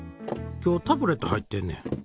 今日タブレット入ってんねん。